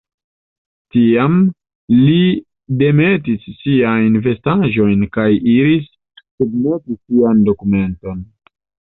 Tiam, li demetis siajn vestaĵojn kaj iris submeti sian dokumenton.